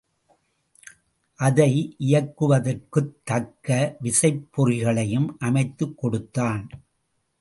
அதை இயக்குவதற்குத் தக்க விசைப்பொறிகளையும் அமைத்துக் கொடுத்தான்.